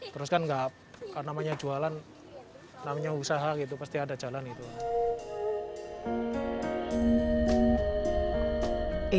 terus kan nggak namanya jualan namanya usaha gitu pasti ada jalan gitu